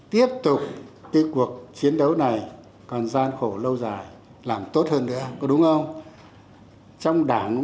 tiếp tục tư cuộc chiến đấu này còn gian khổ lâu dài làm tốt hơn nữa có đúng không